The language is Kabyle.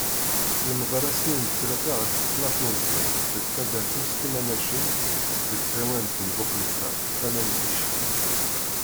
Yemḍel ass-nni n ttlata ɣef ṭnac n uzal deg taddart-is Timanacin deg tɣiwant n Buxlifa, tama n Tici.